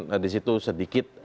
nah di situ sedikit